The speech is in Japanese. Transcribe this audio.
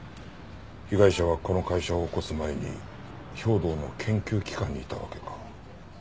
被害者はこの会社を起こす前に兵働の研究機関にいたわけか。